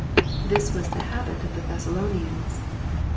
This was the habit of the Thessalonians.